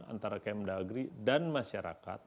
antara km dagri dan masyarakat